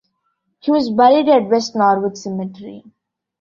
He was buried at West Norwood Cemetery.